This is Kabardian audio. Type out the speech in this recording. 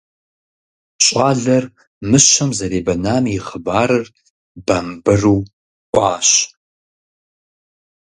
ЩӀалэр мыщэм зэребэнам и хъыбарыр бамбыру Ӏуащ.